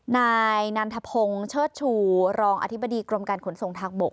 นายนันทพงศ์เชิดชูรองอธิบดีกรมการขนส่งทางบก